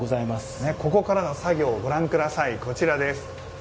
ここからの作業をご覧ください。